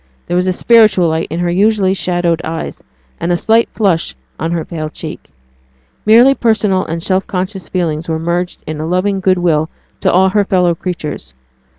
There was a spiritual light in her usually shadowed eyes, and a slight flush on her pale cheek. Merely personal and self conscious feelings were merged in a loving good will to all her fellow creatures.